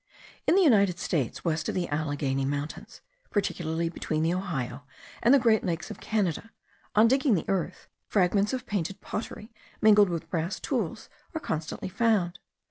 In the United States, west of the Allegheny mountains, particularly between the Ohio and the great lakes of Canada, on digging the earth, fragments of painted pottery, mingled with brass tools, are constantly found.